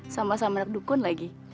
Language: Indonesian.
sama sama anak dukun lagi